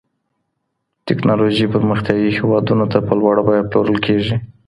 تکنالوژي پرمختيايي هيوادونو ته په لوړه بيه پلورل کيږي.